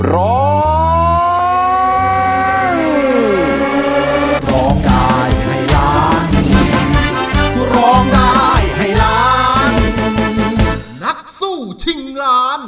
ร้อง